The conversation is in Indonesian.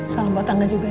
salam buat angga juga ya